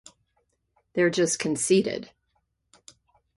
They’re just conceited.